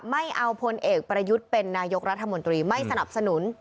ไม่เอาพลเอกประยุทธ์เป็นนายกรัฐมนตรีไม่สนับสนุน